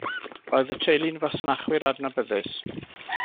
Roedd y teulu'n fasnachwyr adnabyddus.